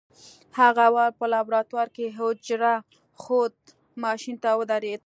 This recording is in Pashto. هغه اول په لابراتوار کې حجره ښود ماشين ته ودرېد.